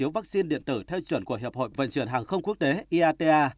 vắc xin điện tử theo chuẩn của hiệp hội vận chuyển hàng không quốc tế iata